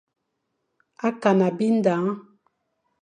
Akana bindañ.